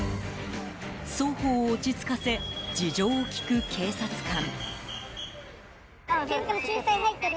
双方を落ち着かせ事情を聴く警察官。